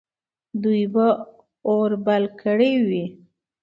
دوی به اور بل کړی وي.